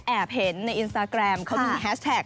เห็นในอินสตาแกรมเขามีแฮชแท็ก